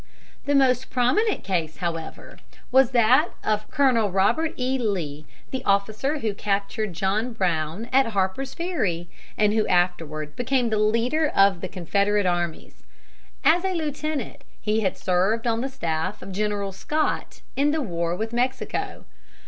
The most prominent case, however, was that of Colonel Robert E. Lee, the officer who captured John Brown at Harper's Ferry, and who afterward became the leader of the Confederate armies. As a lieutenant he had served on the staff of General Scott in the war with Mexico.